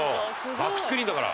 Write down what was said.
バックスクリーンだから。